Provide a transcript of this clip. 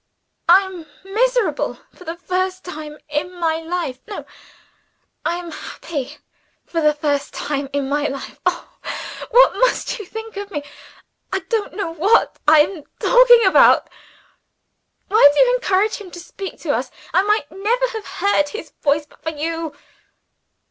"I am miserable for the first time in my life no! I am happy for the first time in my life. Oh, what must you think of me! I don't know what I am talking about. Why did you encourage him to speak to us? I might never have heard his voice but for you."